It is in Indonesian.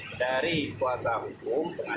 kita kan bukan dalam konteks keluarga